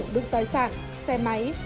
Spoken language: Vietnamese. được tài sản xe máy